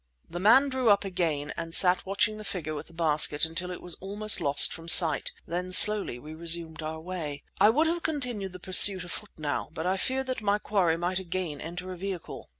The man drew up again and sat watching the figure with the basket until it was almost lost from sight. Then slowly we resumed our way. I would have continued the pursuit afoot now, but I feared that my quarry might again enter a vehicle.